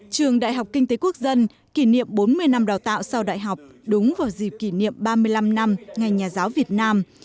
trường đại học kinh tế quốc dân kỷ niệm bốn mươi năm đào tạo sau đại học đúng vào dịp kỷ niệm ba mươi năm năm ngày nhà giáo việt nam